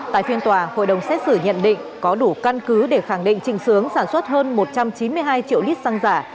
tại phiên tòa hội đồng xét xử nhận định có đủ căn cứ để khẳng định trịnh sướng sản xuất hơn một trăm chín mươi hai triệu lít xăng giả